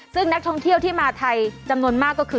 ซึ่งนักท่องเที่ยวที่มาไทยจำนวนมากก็คือ